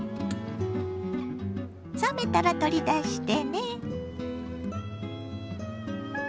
冷めたら取り出してね。